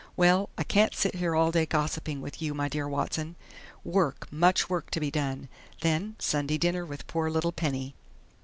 Well I can't sit here all day gossiping with you, 'my dear Watson....' Work much work to be done; then Sunday dinner with poor little Penny."